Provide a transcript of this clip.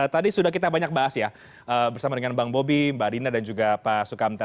tadi sudah kita banyak bahas ya bersama dengan bang bobi mbak dina dan juga pak sukamta